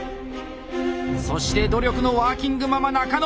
そして努力のワーキングママ仲野。